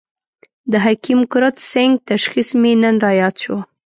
د حکیم کرت سېنګ تشخیص مې نن را ياد شو.